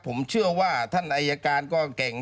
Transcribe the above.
ผมเชื่อว่าท่านอายการก็เก่ง